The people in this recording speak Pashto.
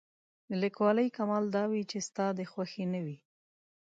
د لیکوالۍ کمال دا وي چې ستا د خوښې نه وي.